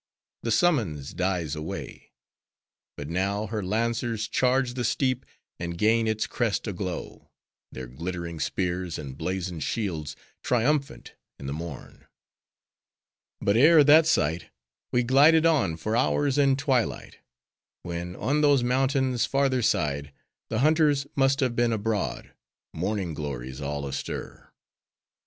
The summons dies away. But now, her lancers charge the steep, and gain its crest a glow;—their glittering spears and blazoned shields triumphant in the morn. But ere that sight, we glided on for hours in twilight; when, on those mountains' farther side, the hunters must have been abroad, morning glories all astir.